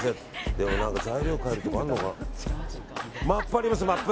でも、材料買えるところあるのかな。